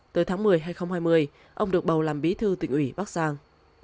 tới tháng một mươi hai nghìn hai mươi ông được bầu làm bí thư tỉnh ủy bắc giang